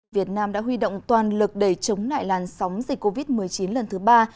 việt nam đã huy động toàn lực để chống lại làn sóng dịch covid một mươi chín lần thứ ba